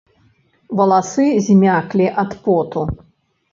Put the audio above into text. Валасы змяклі ад поту.